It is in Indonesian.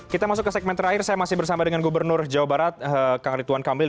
kita masuk ke segmen terakhir saya masih bersama dengan gubernur jawa barat kang rituan kamil